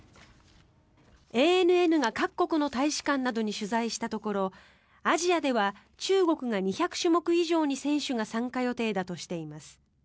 ＡＮＮが各国の大使館などに取材したところアジアでは、中国が２００種目以上に選手が参加予定だとしています。